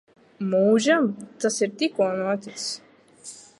Mūžam? Tas ir tikko noticis.